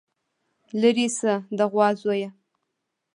ليرې شه د غوا زويه.